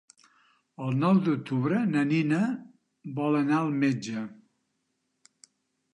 El nou d'octubre na Nina vol anar al metge.